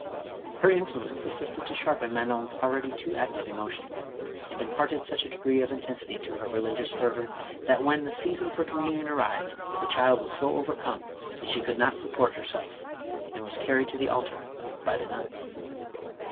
Her influence assisted to sharpen Manon's already too active emotions, and imparted such a degree of intensity to her religious fervor, that when the season for communion arrived, the child was so overcome, that she could not support herself, and was carried to the altar by the nuns.